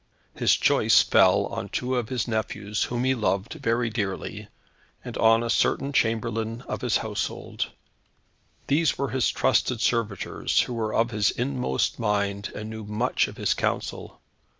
His choice fell on two of his nephews, whom he loved very dearly, and on a certain chamberlain of his household. These were trusted servitors, who were of his inmost mind, and knew much of his counsel.